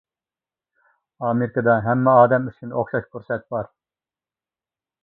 ئامېرىكىدا ھەممە ئادەم ئۈچۈن ئوخشاش پۇرسەت بار.